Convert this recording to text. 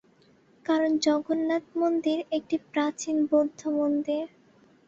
কারণ জগন্নাথ-মন্দির একটি প্রাচীন বৌদ্ধ মন্দির।